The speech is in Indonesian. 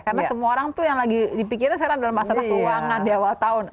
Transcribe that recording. karena semua orang tuh yang lagi dipikirnya sekarang dalam masalah keuangan di awal tahun